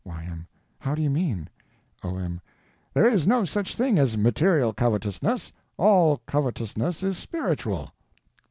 Y.M. How do you mean? O.M. There is no such thing as _material _covetousness. All covetousness is spiritual.